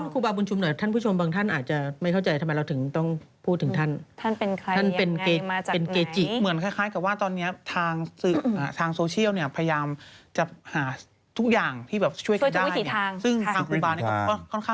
ครูบาร์บุญชุมถึงท่ำหลวงแล้วใช่มั้ยคะ